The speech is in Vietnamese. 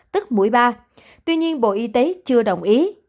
tức mũi ba tuy nhiên bộ y tế chưa đồng ý